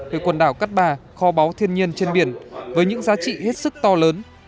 về quần đảo cát bà kho báu thiên nhiên trên biển với những giá trị hết sức to lớn